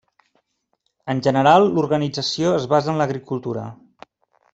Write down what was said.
En general l'organització es basa en l'agricultura.